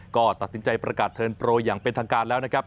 ก็ตัดสินใจประกาศเทิร์นโปรอย่างเป็นทางการแล้วนะครับ